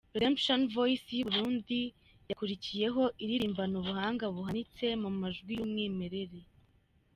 Redemption Voice y’i Burundi yakurikiyeho iririmbana ubuhanga buhanitse mu majwi y’umwimerere.